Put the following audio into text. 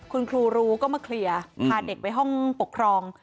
คุณครูรู้ก็มาเคลียร์พาเด็กไปห้องปกครอง